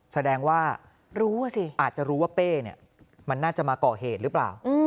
แสดงว่ารู้อ่ะสิอาจจะรู้ว่าเป้เนี่ยมันน่าจะมาก่อเหตุหรือเปล่า